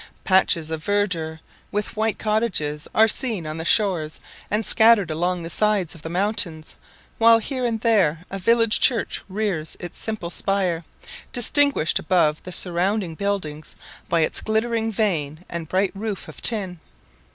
Patches of verdure, with white cottages, are seen on the shores and scattered along the sides of the mountains; while here and there a village church rears its simple spire, distinguished above the surroundings buildings by its glittering vane and bright roof of tin.